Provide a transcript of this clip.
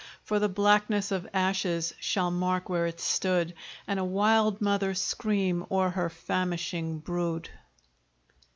For the blackness of ashes shall mark where it stood, And a wild mother scream o'er her famishing brood.